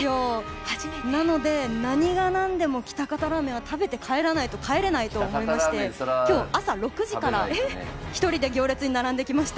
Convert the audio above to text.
なので何が何でも喜多方ラーメンは食べて帰らないと帰れないと思いまして今日朝６時から１人で行列に並んできました。